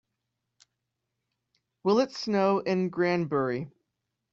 Will it snow in Granbury?